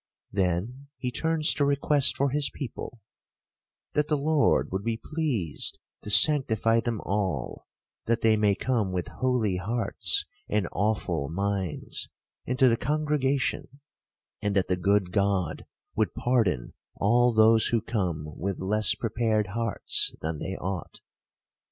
Then he turns to request for his people, " that the Lord would be pleased to sanctify them all ; that they may come with holy hearts, and awful minds, into the congrega tion ; and that the good God would pardon all those who come with less prepared hearts than they ought."